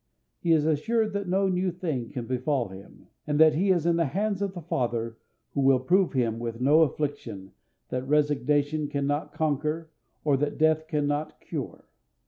He is assured that no new thing can befall him, and that he is in the hands of a Father who will prove him with no affliction that resignation can not conquer or that death can not cure.